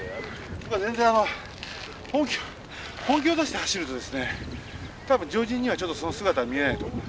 全然あの本気本気を出して走るとですね多分常人にはちょっとその姿は見えないと思う。